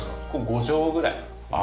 ５畳ぐらいですね。